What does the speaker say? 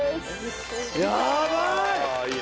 やばい！